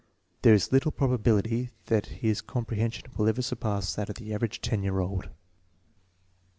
There is little probability that his comprehension will ever surpass that of the average 10 year old.